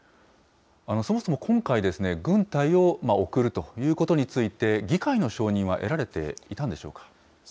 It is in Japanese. そもそも今回、軍隊を送るということについて、議会の承認は得られていたんでしょうか。